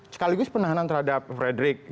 sekaligus penahanan terhadap frederick